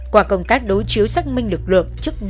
qua công tác đối chiếu xác minh lực lượng chức năng